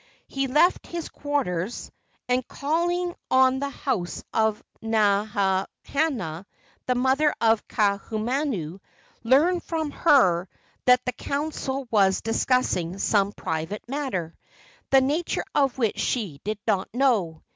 He left his quarters, and calling at the house of Namahana, the mother of Kaahumanu, learned from her that the council was discussing some private matter, the nature of which she did not know.